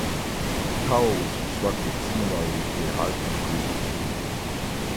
The tower was constructed similarly to a high concrete chimney.